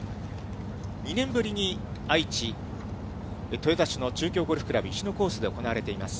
２年ぶりに愛知・豊田市の中京ゴルフ倶楽部石野コースで行われています。